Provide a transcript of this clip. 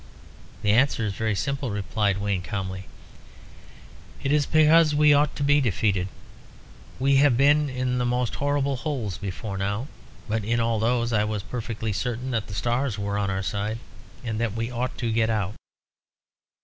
"The answer is very simple," replied Wayne, calmly. "It is because we ought to be defeated. We have been in the most horrible holes before now; but in all those I was perfectly certain that the stars were on our side, and that we ought to get out.